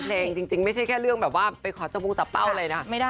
ย้ำแฟนเพลงจริงไม่ใช่แค่เรื่องแบบว่าไปขอจมูกจับเป้าอะไรนะ